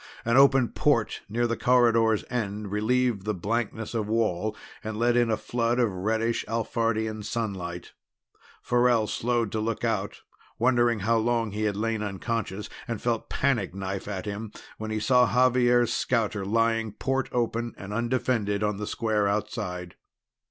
An open port near the corridor's end relieved the blankness of wall and let in a flood of reddish Alphardian sunlight; Farrell slowed to look out, wondering how long he had lain unconscious, and felt panic knife at him when he saw Xavier's scouter lying, port open and undefended, on the square outside.